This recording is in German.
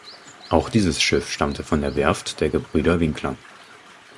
Auch dieses Schiff stammte von der Werft der Gebrüder Winkler.